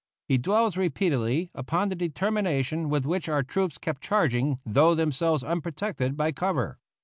He dwells repeatedly upon the determination with which our troops kept charging though themselves unprotected by cover.